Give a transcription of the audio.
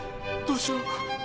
どうしよう